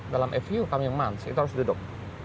dalam a few coming months itu harus duduk